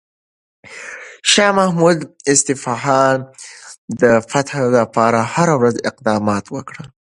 شاه محمود د اصفهان د فتح لپاره هره ورځ اقدامات وکړل.